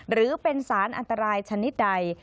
หรือเป็นสารอันตรายชนิดใด